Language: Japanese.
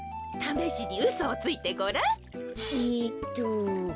ためしにうそをついてごらん。